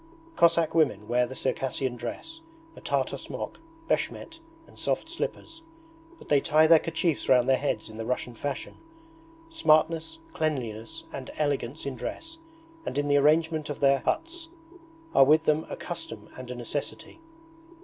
Cossack women wear the Circassian dress a Tartar smock, beshmet, and soft slippers but they tie their kerchiefs round their heads in the Russian fashion. Smartness, cleanliness and elegance in dress and in the arrangement of their huts, are with them a custom and a necessity.